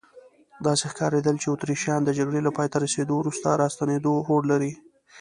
داسې ښکارېدل چې اتریشیان د جګړې له پایته رسیدو وروسته راستنېدو هوډ لري.